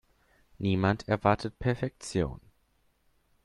Niemand erwartet Perfektion.